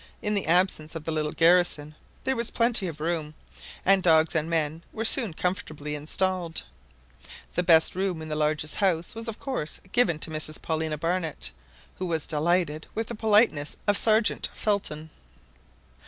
In the absence of the little garrison there was plenty of room, and dogs and men were soon comfortably installed. The best room in the largest house was of course given to Mrs Paulina Barnett, who was delighted with the politeness of Sergeant Felton.